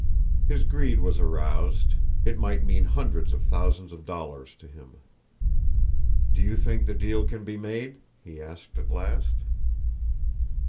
His greed was aroused; it might mean hundreds of thousands of dollars to him. "Do you think the deal can be made?" he asked at last.